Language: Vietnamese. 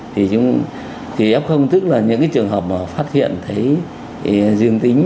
thì f tức là những trường hợp mà phát hiện thấy dương tính